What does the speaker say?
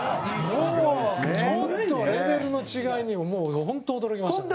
ちょっとレベルの違いに、もう本当、驚きましたね。